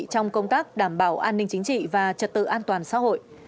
trong công tác đảm bảo an ninh chính trị và trật tự an toàn xã hội